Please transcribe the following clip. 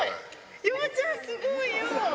ようちゃんすごいよ。